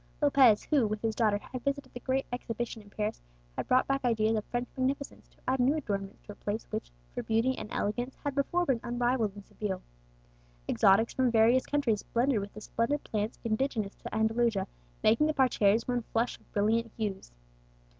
Lopez, who, with his daughter, had visited the Great Exhibition in Paris, had brought back ideas of French magnificence to add new adornments to a place which, for beauty and elegance, had before been unrivalled in Seville. Exotics from various countries blended with the splendid plants indigenous to Andalusia, making the parterres one flush of brilliant hues.